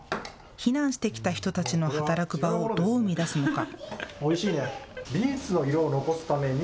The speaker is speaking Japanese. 避難してきた人たちの働く場をどう生み出すのか。